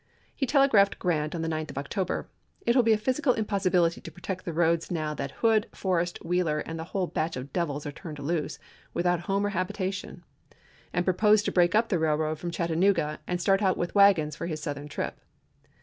He telegraphed Grant on the 9th of October :" It will be a physical impossibility to protect the roads now that Hood, Forrest, Wheeler, and the whole batch of devils are turned loose, without home or habitation "; and proposed to break up the railroad from Chattanooga and start out with wagons for his Southern trip.